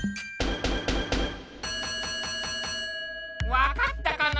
わかったかな？